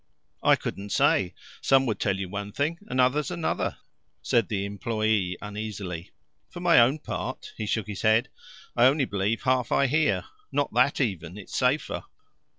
"I couldn't say some would tell you one thing and others another," said the employe uneasily. "For my own part" he shook his head "I only believe half I hear. Not that even; it's safer.